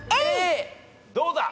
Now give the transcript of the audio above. どうだ！